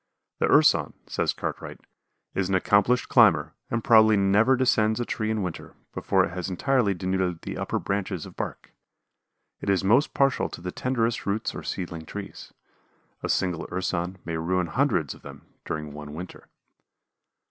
"The Urson," says Cartwright, "is an accomplished climber and probably never descends a tree in winter, before it has entirely denuded the upper branches of bark. It is most partial to the tenderest roots or seedling trees. A single Urson may ruin hundreds of them during one winter."